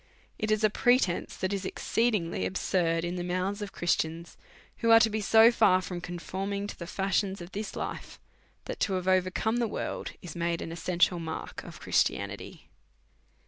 It is a pre tence that is exceedingly absurd in the mouths of Christians, who are to be so far from conforming to the fashions of this life, that, to have overcome the world, is made an essential mark of Christianity.